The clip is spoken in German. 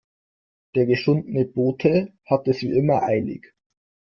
Der geschundene Bote hat es wie immer eilig.